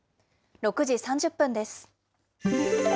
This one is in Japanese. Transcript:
６時３０分です。